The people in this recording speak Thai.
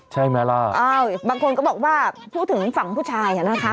ใช่ไหมล่ะอ้าวบางคนก็บอกว่าพูดถึงฝั่งผู้ชายอ่ะนะคะ